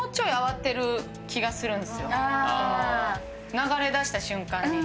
流れ出した瞬間に。